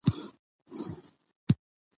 زه به پخپلو پښو ځم.